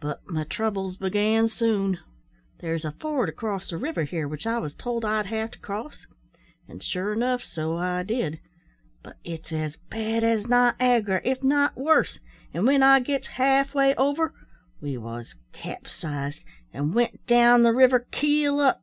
"But my troubles began soon. There's a ford across the river here, which I was told I'd ha' to cross; and sure enough, so I did but it's as bad as Niagara, if not worse an' when I gits half way over, we wos capsized, and went down the river keel up.